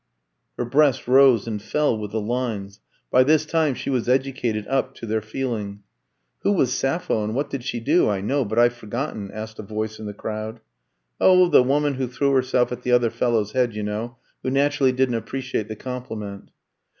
Her breast rose and fell with the lines; by this time she was educated up to their feeling. "Who was Sappho, and what did she do? I know, but I've forgotten," asked a voice in the crowd. "Oh, the woman who threw herself at the other fellow's head, you know, who naturally didn't appreciate the compliment."